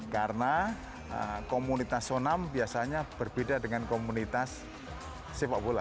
karena komunitas sonam biasanya berbeda dengan komunitas sepak bola